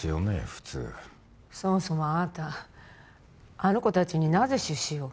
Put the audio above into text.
普通そもそもあなたあの子達になぜ出資を？